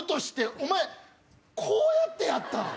お前、こうやってやったん？